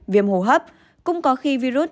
viêm hồ hấp cũng có khi virus